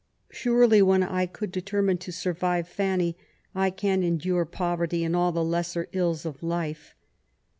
Surely, when I could determine to survive Fanny, I can endure poverty and all the lesser ills of life.